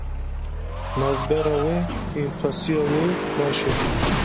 Navbera wê û xesûya wê baş e.